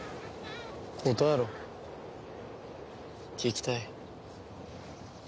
答えろ聞きたい。